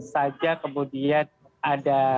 saja kemudian ada